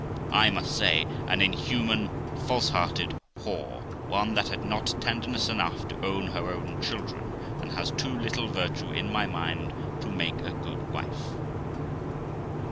I must say an inhuman, false hearted whore, one that had not tenderness enough to own her own children, and has too little virtue, in my mind, to make a good wife.